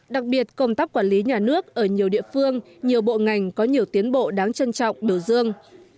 đặc biệt công tác quản lý nhà nước ở nhiều địa phương nhiều bộ ngành có nhiều tiến bộ đáng trân trọng biểu dương